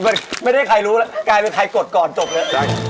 มันไม่ได้ใครรู้แล้วกลายเป็นใครกดก่อนจบเลย